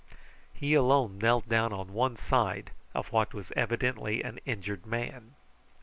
He alone knelt down on one side of what was evidently an injured man.